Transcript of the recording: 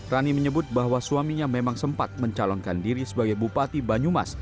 rani menyebut bahwa suaminya memang sempat mencalonkan diri sebagai bupati banyumas